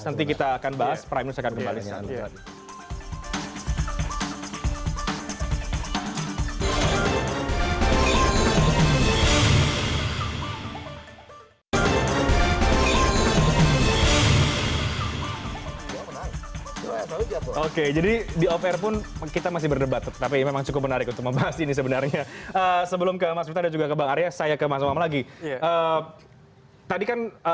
nanti kita akan bahas prime news akan kembali saat itu tadi